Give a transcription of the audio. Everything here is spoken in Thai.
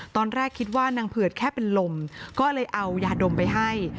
ตอนแรกคิดว่านางเผือดแค่เป็นลมก็เลยเอายาดมไปให้